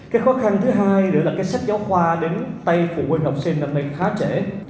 cái khó khăn thứ hai nữa là cái sách giáo khoa đến tay phụ huynh học sinh năm nay khá trẻ